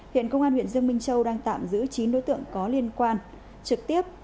hiện công an huyện dương minh châu đang tạm giữ chín đối tượng có liên quan trực tiếp